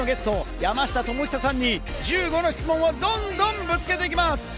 本日のゲスト、山下智久さんに１５の質問をどんどんぶつけていきます。